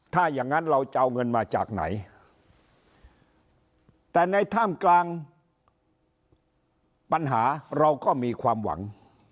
ถ้าอย่างนั้นเราจะเอาเงินมาจากไหนแต่ในท่ามกลางปัญหาเราก็มีความหวัง